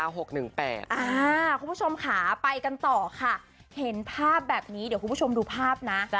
คุณผู้ชมค่ะไปกันต่อค่ะเห็นภาพแบบนี้เดี๋ยวคุณผู้ชมดูภาพนะ